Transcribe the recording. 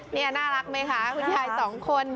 นี่น่ารักไหมคะคุณยายสองคน